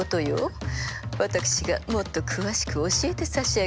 私がもっと詳しく教えてさしあげましょう。